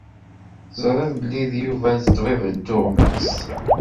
Ẓriɣ belli d Yuba d ṭṭbib n tuɣmas.